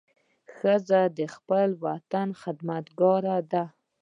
ښځه د خپل وطن خدمتګاره ده.